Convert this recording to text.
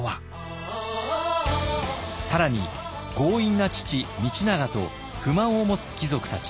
更に強引な父道長と不満を持つ貴族たち。